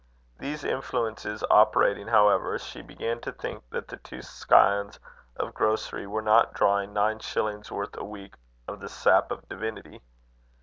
These influences operating, however, she began to think that the two scions of grocery were not drawing nine shillings' worth a week of the sap of divinity.